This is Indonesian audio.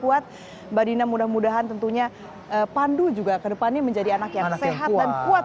kuat mbak dina mudah mudahan tentunya pandu juga kedepannya menjadi anak yang sehat dan kuat